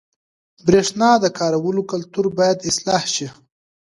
• د برېښنا د کارولو کلتور باید اصلاح شي.